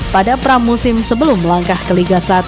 pada pramusim sebelum langkah ke liga satu